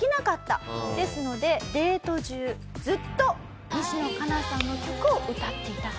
ですのでデート中ずっと西野カナさんの曲を歌っていた。